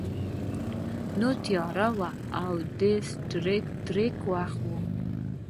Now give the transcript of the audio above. نو تیاره وه او د سټار ټریک وخت و